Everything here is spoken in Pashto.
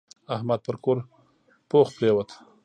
احمد پر کور پوخ پرېوت.